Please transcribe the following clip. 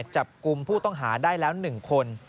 จับกลุ่มผู้ต้องหาได้แล้ว๑คน